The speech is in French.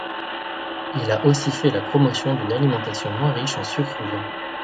Il a aussi fait la promotion d'une alimentation moins riche en sucre blanc.